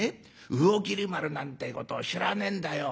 魚切丸なんてえことを知らねえんだよ。